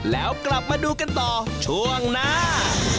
แล้วกลับมาดูกันต่อช่วงหน้า